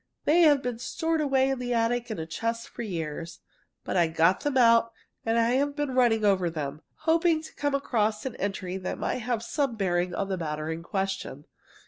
They have been stored away in the attic in a chest for years, but I got them out and have been running over them, hoping to come across an entry that might have some bearing on the matter in question.